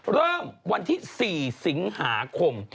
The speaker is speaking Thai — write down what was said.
เริ่มวันที่๔สิงหาคม